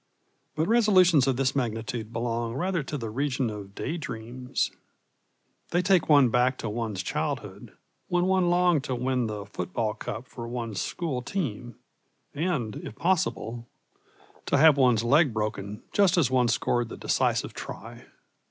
But resolutions of this magnitude belong rather to the region of day dreams. They take one back to one's childhood, when one longed to win the football cup for one's school team, and, if possible, to have one's leg broken just as one scored the decisive try.